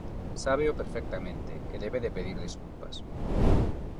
Sábeo perfectamente, e debe de pedir desculpas.